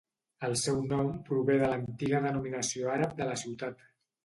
El seu nom prové de l'antiga denominació àrab de la ciutat.